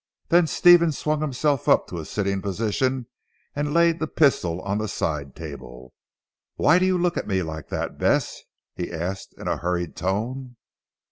Then Stephen swung himself up to a sitting position and laid the pistol on the side table. "Why do you look at me like that Bess?" he asked in a hurried tone.